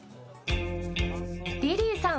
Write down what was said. リリーさん